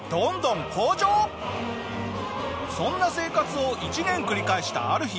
そんな生活を１年繰り返したある日。